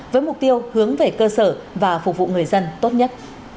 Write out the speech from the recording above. với mục tiêu hướng về cơ sở và phục vụ người dân tốt nhất